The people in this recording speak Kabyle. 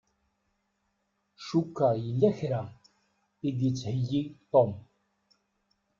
Cukkeɣ yella kra i d-ittheyyi Tom.